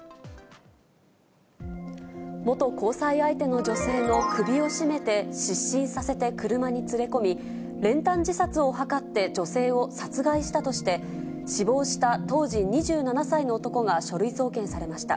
元交際相手の女性の首を絞めて失神させて車に連れ込み、練炭自殺を図って女性を殺害したとして、死亡した当時２７歳の男が書類送検されました。